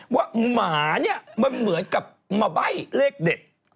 ว่าหมาเนี่ยมันเหมือยกับมาใบ้เลขเด็ดนะฮะ